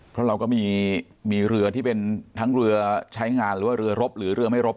เพราะเราก็มีเรือที่เป็นทั้งเรือใช้งานหรือว่าเรือรบหรือเรือไม่รบ